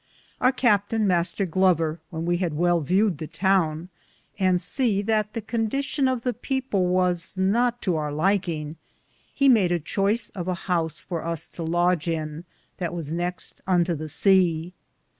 Our captaine, Mr. Glover, when we had well vewed the towne and se that the condetion of the people was not to our lykinge, he made choyce of a house for us to lodge in, that was next unto the sea.